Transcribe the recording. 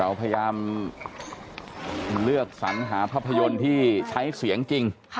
เราพยายามเลือกสัญหาภาพยนตร์ที่ใช้เสียงจริง